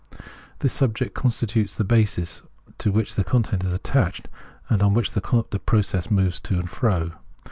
This sub ject constitutes the basis to which the content is attached and on which the process moves to and fro.